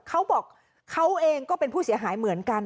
เขาบอกเขาเองก็เป็นผู้เสียหายเหมือนกัน